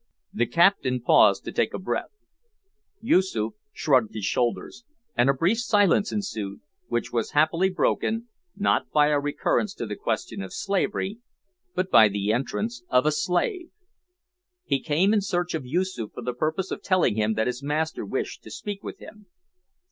The captain paused to take breath. Yoosoof shrugged his shoulders, and a brief silence ensued, which was happily broken, not by a recurrence to the question of slavery, but by the entrance of a slave. He came in search of Yoosoof for the purpose of telling him that his master wished to speak with him.